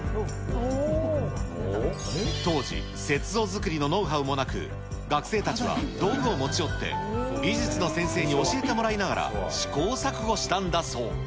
当時、雪像作りのノウハウもなく、学生たちは道具を持ち寄って、美術の先生に教えてもらいながら、試行錯誤したんだそう。